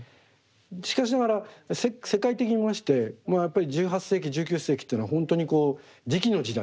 しかしながら世界的に見ましてやっぱり１８世紀１９世紀っていうのは本当に磁器の時代。